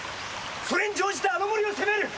それに乗じてあの森を攻める！